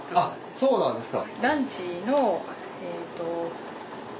そうなんですか。